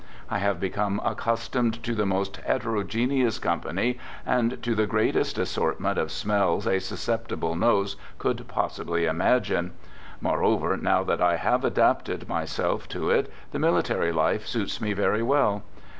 I have become accustomed to the {most heterogeneous company and to the greatest as Isortment of smells a susceptible nose could possibly I imagine. Moreover, now that I have adapted my self to it, the military life suits me very well.